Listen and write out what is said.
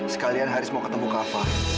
sekalian haris mau ketemu kava